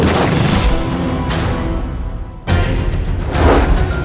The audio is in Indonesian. belum pengen bersisa